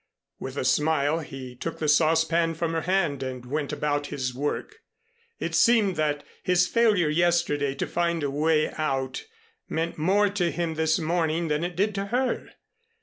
With a smile he took the saucepan from her hand and went about his work. It seemed that his failure yesterday to find a way out meant more to him this morning than it did to her.